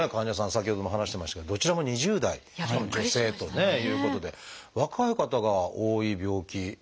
先ほども話してましたけどどちらも２０代しかも女性ということで若い方が多い病気なんでしょうか？